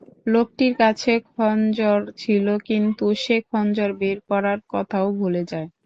লোকটির কাছে খঞ্জর ছিল কিন্তু সে খঞ্জর বের করার কথাও ভুলে যায়।